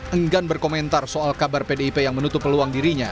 enggan berkomentar soal kabar pdip yang menutup peluang dirinya